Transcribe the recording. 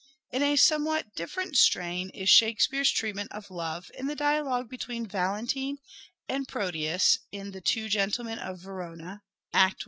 Love's In a somewhat different strain is " Shakespeare's " treatment of Love in the dialogue between Valentine and Proteus in " The Two Gentlemen of Verona " (I.